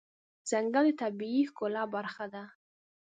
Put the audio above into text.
ځنګل د طبیعي ښکلا برخه ده.